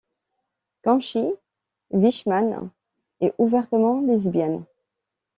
Kanchi Wichmann est ouvertement lesbienne.